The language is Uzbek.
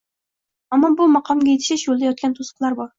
Ammo bu maqomga yetishish yo‘lida yotgan to‘siqlar bor